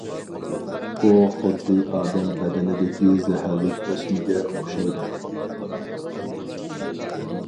ئۇ خۇددى ئادەم بەدىنىدىكى زەھەرلىك ئۆسمىگە ئوخشايدۇ.